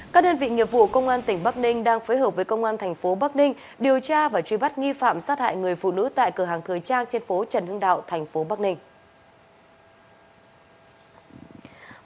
các đơn vị nghiệp vụ công an tp bắc ninh đang phối hợp với công an tp bắc ninh điều tra và truy bắt nghi phạm sát hại người phụ nữ tại cửa hàng thời trang trên phố trần hương đạo tp bắc ninh